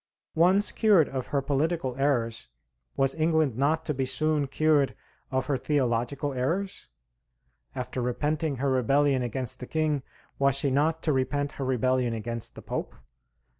Once cured of her political errors, was England not to be soon cured of her theological errors? After repenting her rebellion against the King, was she not to repent her rebellion against the Pope?